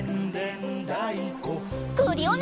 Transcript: クリオネ！